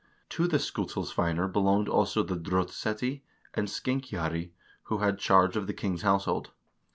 To the skutil sveinar belonged^also the drdttseti and skenkjari, who had charge of the king's household.